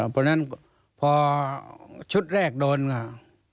เพราะฉะนั้นพอชุดแรกโดนว่า